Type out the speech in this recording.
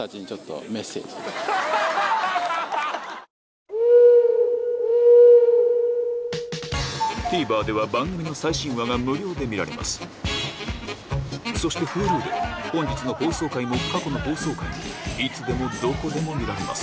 ・３・２・１・ＴＶｅｒでは番組の最新話が無料で見られますそしてＨｕｌｕでは本日の放送回も過去の放送回もいつでもどこでも見られます